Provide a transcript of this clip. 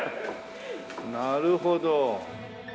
なるほど。